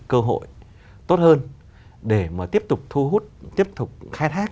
cơ hội tốt hơn để mà tiếp tục thu hút tiếp tục khai thác